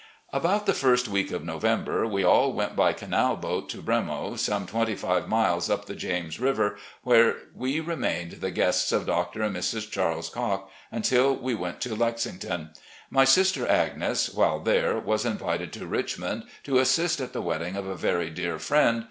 About the first week of November we all went by canal boat to "Bremo," some twenty five niiles up the James River, where we remained the guests of Doctor and Mrs. Charles Cocke tmtil we went to Lexington. My sister Agnes, while there, was invited to Richmond to assist at the wedding of a very dear friend.